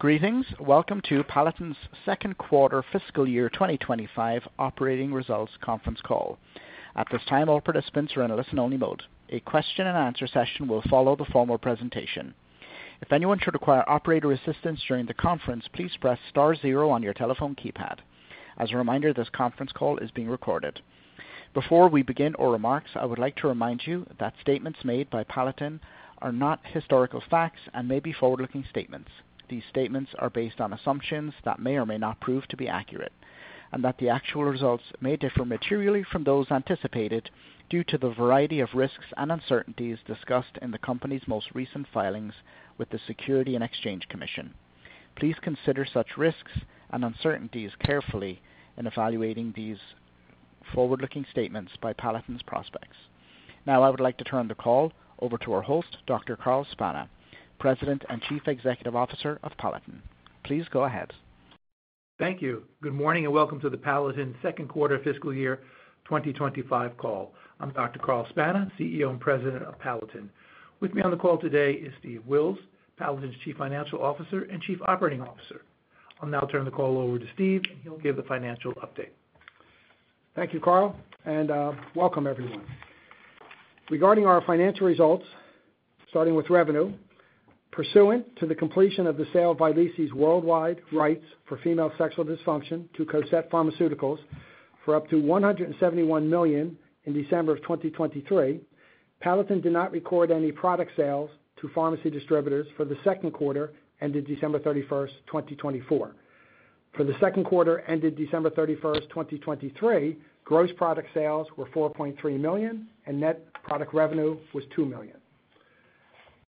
Greetings. Welcome to Palatin's second quarter fiscal year 2025 operating results conference call. At this time, all participants are in a listen-only mode. A question-and-answer session will follow the formal presentation. If anyone should require operator assistance during the conference, please press star zero on your telephone keypad. As a reminder, this conference call is being recorded. Before we begin our remarks, I would like to remind you that statements made by Palatin are not historical facts and may be forward-looking statements. These statements are based on assumptions that may or may not prove to be accurate, and that the actual results may differ materially from those anticipated due to the variety of risks and uncertainties discussed in the company's most recent filings with the Securities and Exchange Commission. Please consider such risks and uncertainties carefully in evaluating these forward-looking statements by Palatin's prospects. Now, I would like to turn the call over to our host, Dr. Carl Spana, President and Chief Executive Officer of Palatin. Please go ahead. Thank you. Good morning and welcome to the Palatin second quarter fiscal year 2025 call. I'm Dr. Carl Spana, CEO and President of Palatin. With me on the call today is Steve Wills, Palatin's Chief Financial Officer and Chief Operating Officer. I'll now turn the call over to Steve, and he'll give the financial update. Thank you, Carl, and welcome, everyone. Regarding our financial results, starting with revenue, pursuant to the completion of the sale of Vyleesi's worldwide rights for female sexual dysfunction to Cosette Pharmaceuticals for up to $171 million in December of 2023, Palatin did not record any product sales to pharmacy distributors for the second quarter ended December 31, 2024. For the second quarter ended December 31, 2023, gross product sales were $4.3 million, and net product revenue was $2 million.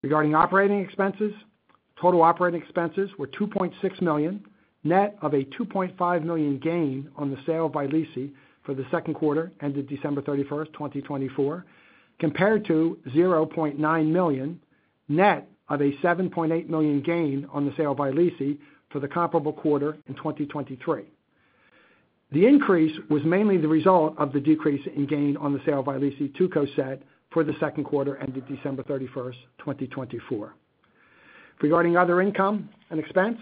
Regarding operating expenses, total operating expenses were $2.6 million, net of a $2.5 million gain on the sale of Vyleesi for the second quarter ended December 31, 2024, compared to $0.9 million, net of a $7.8 million gain on the sale of Vyleesi for the comparable quarter in 2023. The increase was mainly the result of the decrease in gain on the sale of Vyleesi to Cosette for the second quarter ended December 31, 2024. Regarding other income and expense,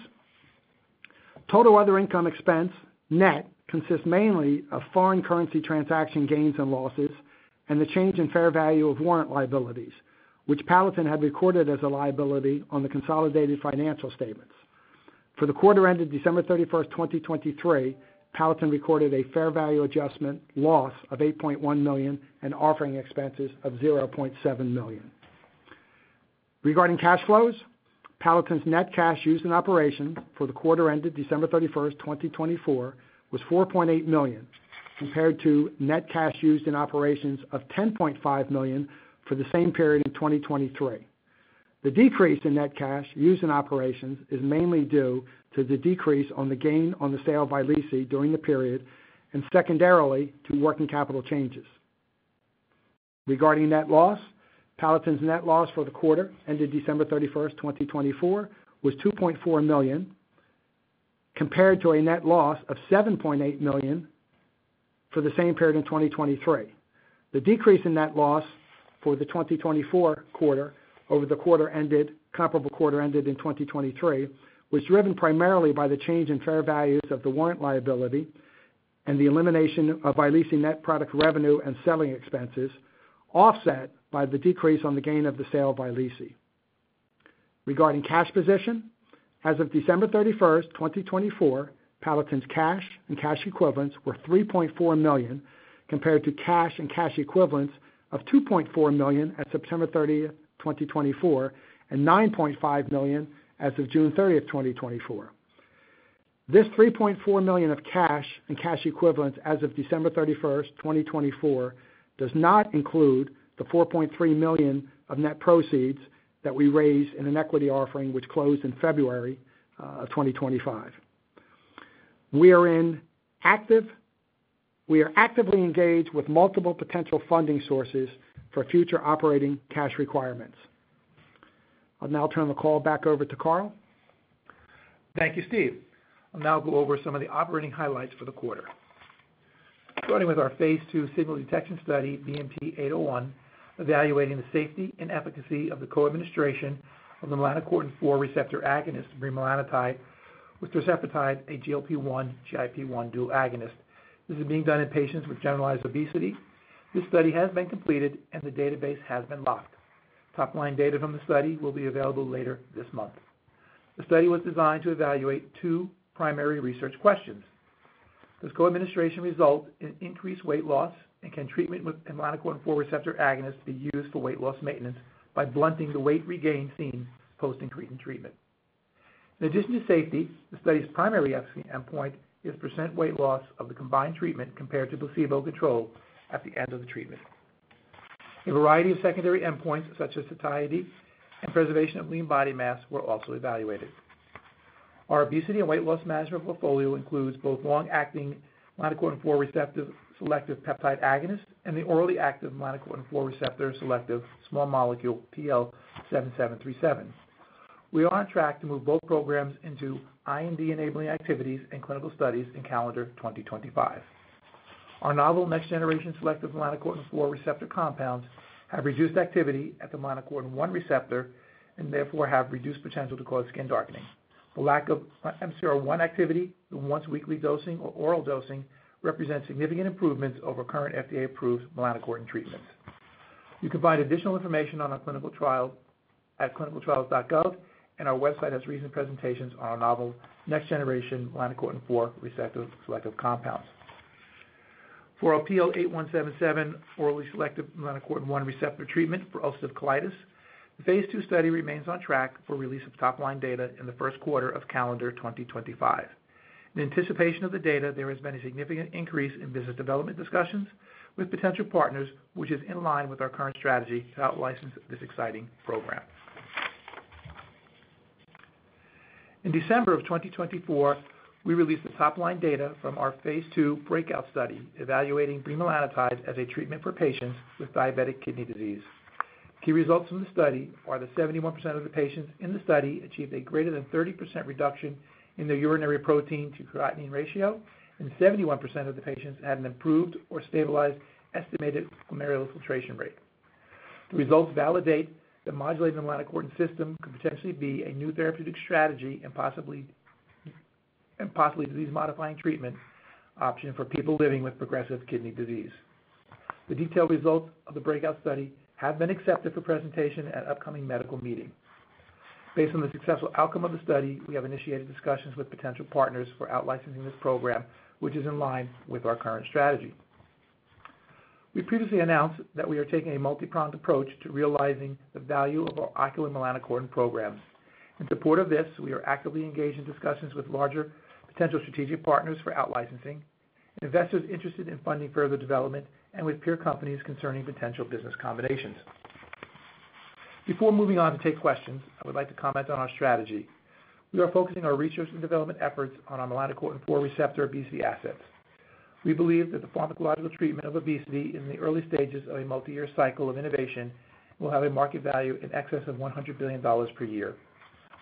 total other income expense net consists mainly of foreign currency transaction gains and losses and the change in fair value of warrant liabilities, which Palatin had recorded as a liability on the consolidated financial statements. For the quarter ended December 31, 2023, Palatin recorded a fair value adjustment loss of $8.1 million and offering expenses of $0.7 million. Regarding cash flows, Palatin's net cash used in operations for the quarter ended December 31, 2024, was $4.8 million, compared to net cash used in operations of $10.5 million for the same period in 2023. The decrease in net cash used in operations is mainly due to the decrease on the gain on the sale of Vyleesi during the period and secondarily to working capital changes. Regarding net loss, Palatin's net loss for the quarter ended December 31, 2024, was $2.4 million, compared to a net loss of $7.8 million for the same period in 2023. The decrease in net loss for the 2024 quarter over the comparable quarter ended in 2023 was driven primarily by the change in fair values of the warrant liability and the elimination of Vyleesi net product revenue and selling expenses, offset by the decrease on the gain of the sale of Vyleesi. Regarding cash position, as of December 31, 2024, Palatin's cash and cash equivalents were $3.4 million, compared to cash and cash equivalents of $2.4 million at September 30, 2024, and $9.5 million as of June 30, 2024. This $3.4 million of cash and cash equivalents as of December 31, 2024, does not include the $4.3 million of net proceeds that we raised in an equity offering which closed in February of 2025. We are actively engaged with multiple potential funding sources for future operating cash requirements. I'll now turn the call back over to Carl. Thank you, Steve. I'll now go over some of the operating highlights for the quarter. Starting with our phase II signal detection study, BMT-801, evaluating the safety and efficacy of the co-administration of the melanocortin-4 receptor agonist, bremelanotide, with tirzepatide, a GLP-1, GIP-1 dual agonist. This is being done in patients with generalized obesity. This study has been completed, and the database has been locked. Top-line data from the study will be available later this month. The study was designed to evaluate two primary research questions. Does co-administration result in increased weight loss, and can treatment with melanocortin-4 receptor agonist be used for weight loss maintenance by blunting the weight regain seen post-treatment? In addition to safety, the study's primary endpoint is percent weight loss of the combined treatment compared to placebo control at the end of the treatment. A variety of secondary endpoints, such as satiety and preservation of lean body mass, were also evaluated. Our obesity and weight loss management portfolio includes both long-acting melanocortin-4 receptor selective peptide agonist and the orally active melanocortin-4 receptor selective small molecule PL7737. We are on track to move both programs into IND-enabling activities and clinical studies in calendar 2025. Our novel next-generation selective melanocortin-4 receptor compounds have reduced activity at the melanocortin-1 receptor and therefore have reduced potential to cause skin darkening. The lack of MC1R activity through once-weekly dosing or oral dosing represents significant improvements over current FDA-approved melanocortin treatments. You can find additional information on our clinical trials at clinicaltrials.gov, and our website has recent presentations on our novel next-generation melanocortin-4 receptor selective compounds. For our PL8177 orally selective melanocortin-1 receptor treatment for ulcerative colitis, the phase II study remains on track for release of top-line data in the first quarter of calendar 2025. In anticipation of the data, there has been a significant increase in business development discussions with potential partners, which is in line with our current strategy to help license this exciting program. In December of 2024, we released the top-line data from our phase II BREAKOUT study evaluating bremelanotide as a treatment for patients with diabetic kidney disease. Key results from the study are that 71% of the patients in the study achieved a greater than 30% reduction in their urinary protein-to-creatinine ratio, and 71% of the patients had an improved or stabilized estimated glomerular filtration rate. The results validate that modulating the melanocortin system could potentially be a new therapeutic strategy and possibly a disease-modifying treatment option for people living with progressive kidney disease. The detailed results of the BREAKOUT study have been accepted for presentation at upcoming medical meeting. Based on the successful outcome of the study, we have initiated discussions with potential partners for outlicensing this program, which is in line with our current strategy. We previously announced that we are taking a multi-pronged approach to realizing the value of our ocular melanocortin programs. In support of this, we are actively engaged in discussions with larger potential strategic partners for outlicensing, investors interested in funding further development, and with peer companies concerning potential business combinations. Before moving on to take questions, I would like to comment on our strategy. We are focusing our research and development efforts on our melanocortin-4 receptor obesity assets. We believe that the pharmacological treatment of obesity in the early stages of a multi-year cycle of innovation will have a market value in excess of $100 billion per year.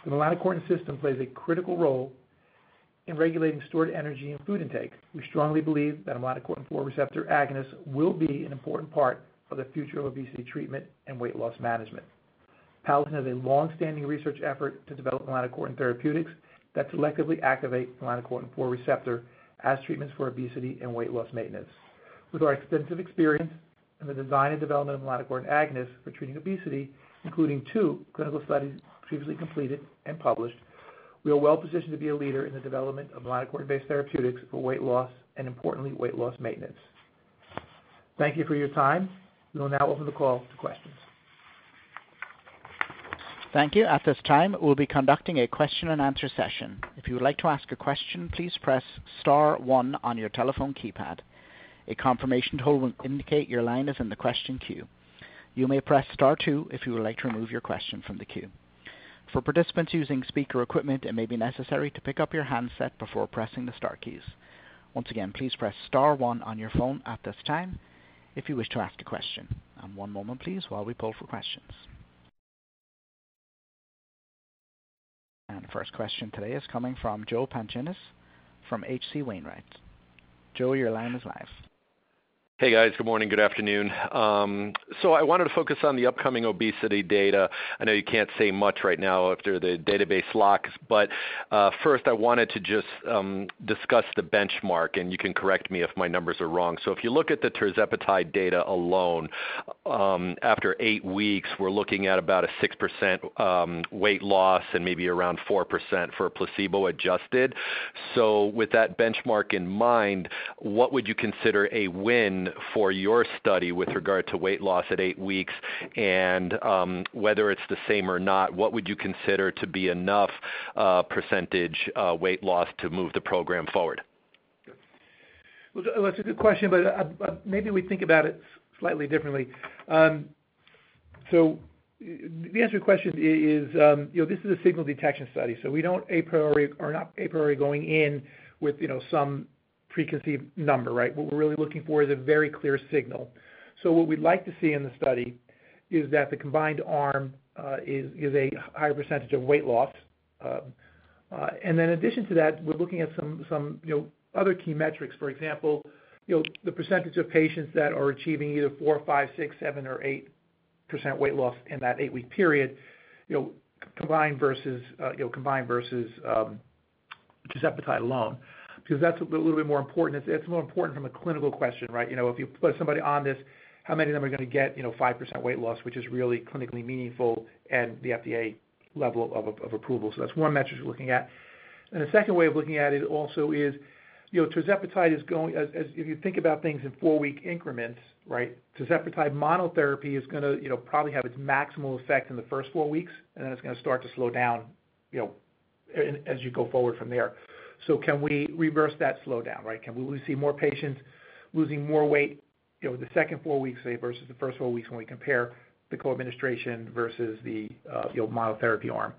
The melanocortin system plays a critical role in regulating stored energy and food intake. We strongly believe that melanocortin-4 receptor agonist will be an important part of the future of obesity treatment and weight loss management. Palatin has a long-standing research effort to develop melanocortin therapeutics that selectively activate melanocortin-4 receptor as treatments for obesity and weight loss maintenance. With our extensive experience in the design and development of melanocortin agonist for treating obesity, including two clinical studies previously completed and published, we are well-positioned to be a leader in the development of melanocortin-based therapeutics for weight loss and, importantly, weight loss maintenance. Thank you for your time. We will now open the call to questions. Thank you. At this time, we'll be conducting a question-and-answer session. If you would like to ask a question, please press star one on your telephone keypad. A confirmation tone will indicate your line is in the question queue. You may press star two if you would like to remove your question from the queue. For participants using speaker equipment, it may be necessary to pick up your handset before pressing the star keys. Once again, please press star one on your phone at this time if you wish to ask a question. One moment, please, while we pull for questions. The first question today is coming from Joe Pantginis from H.C. Wainwright. Joe, your line is live. Hey, guys. Good morning. Good afternoon. I wanted to focus on the upcoming obesity data. I know you can't see much right now after the database locks, but first, I wanted to just discuss the benchmark, and you can correct me if my numbers are wrong. If you look at the tirzepatide data alone, after eight weeks, we're looking at about a 6% weight loss and maybe around 4% for placebo-adjusted. With that benchmark in mind, what would you consider a win for your study with regard to weight loss at eight weeks? Whether it's the same or not, what would you consider to be enough percentage weight loss to move the program forward? That is a good question, but maybe we think about it slightly differently. The answer to your question is this is a signal detection study, so we do not a priori go in with some preconceived number, right? What we are really looking for is a very clear signal. What we would like to see in the study is that the combined arm is a higher percentage of weight loss. In addition to that, we are looking at some other key metrics. For example, the percentage of patients that are achieving either 4%, 5%, 6%, 7%, or 8% weight loss in that eight-week period, combined versus tirzepatide alone, because that is a little bit more important. It is more important from a clinical question, right? If you put somebody on this, how many of them are going to get 5% weight loss, which is really clinically meaningful and the FDA level of approval? That is one metric we are looking at. The second way of looking at it also is tirzepatide is going, if you think about things in four-week increments, right? Tirzepatide monotherapy is going to probably have its maximal effect in the first four weeks, and then it is going to start to slow down as you go forward from there. Can we reverse that slowdown, right? Can we see more patients losing more weight the second four weeks, say, versus the first four weeks when we compare the co-administration versus the monotherapy arm?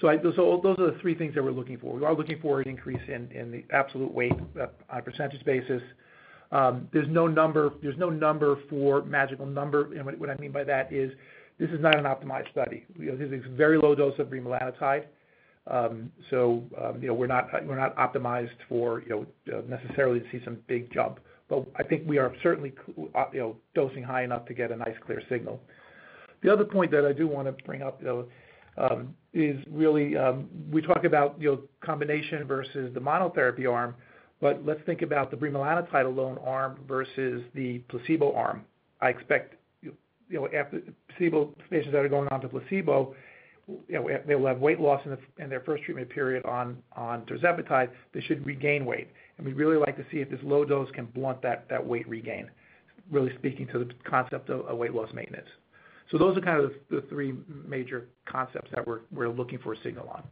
Those are the three things that we are looking for. We are looking for an increase in the absolute weight on a percentage basis. There's no number for magical number. And what I mean by that is this is not an optimized study. This is a very low dose of bremelanotide, so we're not optimized for necessarily to see some big jump. But I think we are certainly dosing high enough to get a nice clear signal. The other point that I do want to bring up is really we talk about combination versus the monotherapy arm, but let's think about the bremelanotide alone arm versus the placebo arm. I expect placebo patients that are going on to placebo, they will have weight loss in their first treatment period on tirzepatide. They should regain weight. And we'd really like to see if this low dose can blunt that weight regain, really speaking to the concept of weight loss maintenance. Those are kind of the three major concepts that we're looking for a signal on.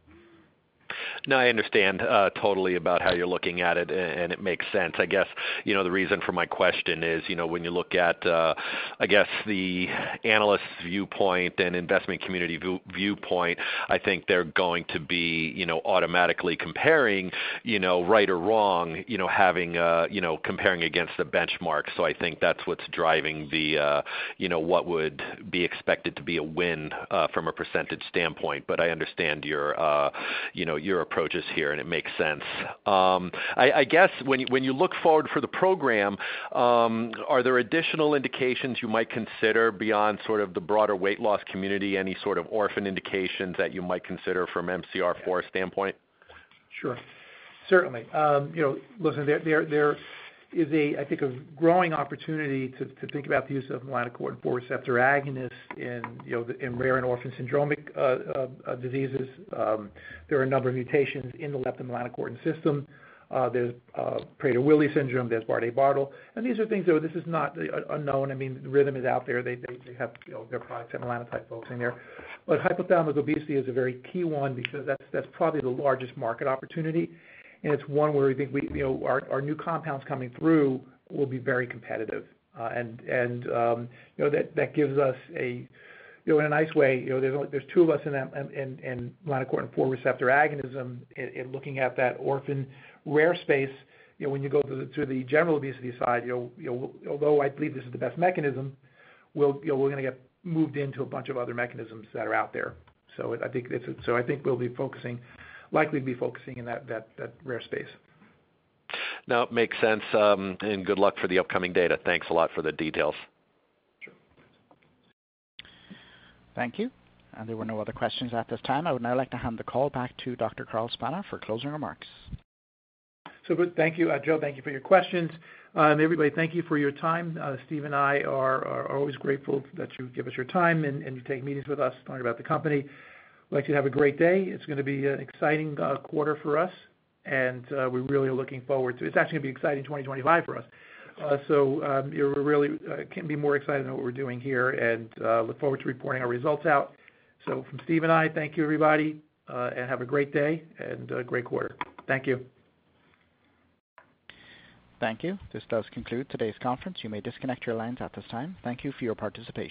No, I understand totally about how you're looking at it, and it makes sense. I guess the reason for my question is when you look at, I guess, the analyst's viewpoint and investment community viewpoint, I think they're going to be automatically comparing, right or wrong, having comparing against the benchmark. I think that's what's driving what would be expected to be a win from a percentage standpoint. I understand your approaches here, and it makes sense. I guess when you look forward for the program, are there additional indications you might consider beyond sort of the broader weight loss community, any sort of orphan indications that you might consider from MC4R standpoint? Sure. Certainly. Listen, there is, I think, a growing opportunity to think about the use of melanocortin-4 receptor agonist in rare and orphan syndromic diseases. There are a number of mutations in the leptin melanocortin system. There's Prader-Willi syndrome. There's Bardet-Biedl. And these are things that this is not unknown. I mean, Rhythm is out there. They have their products and melanotype focusing there. Hypothalamic obesity is a very key one because that's probably the largest market opportunity. It's one where we think our new compounds coming through will be very competitive. That gives us, in a nice way, there's two of us in melanocortin-4 receptor agonism. In looking at that orphan rare space, when you go to the general obesity side, although I believe this is the best mechanism, we're going to get moved into a bunch of other mechanisms that are out there. I think we'll be focusing, likely to be focusing in that rare space. No, it makes sense. Good luck for the upcoming data. Thanks a lot for the details. Sure. Thank you. There were no other questions at this time. I would now like to hand the call back to Dr. Carl Spana for closing remarks. Thank you, Joe. Thank you for your questions. Everybody, thank you for your time. Steve and I are always grateful that you give us your time and you take meetings with us talking about the company. We'd like you to have a great day. It's going to be an exciting quarter for us, and we really are looking forward to it's actually going to be exciting 2025 for us. We really can't be more excited than what we're doing here and look forward to reporting our results out. From Steve and I, thank you, everybody, and have a great day and a great quarter. Thank you. Thank you. This does conclude today's conference. You may disconnect your lines at this time. Thank you for your participation.